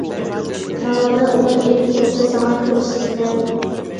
ناۋادا ئۇلار ئېلىپ كەلسە ساڭا كۆرسىتىمەن.